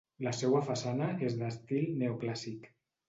La seua façana és d'estil neoclàssic.